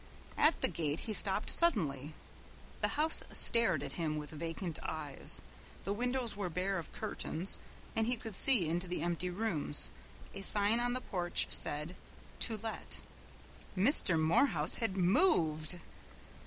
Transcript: At the gate he stopped suddenly. The house stared at him with vacant eyes. The windows were bare of curtains and he could see into the empty rooms. A sign on the porch said, "To Let." Mr. Morehouse had moved!